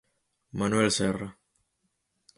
Manuel Serra.